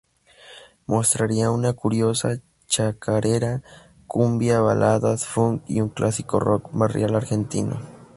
Mostraría una curiosa chacarera, cumbia, baladas, funk y un clásico rock barrial argentino.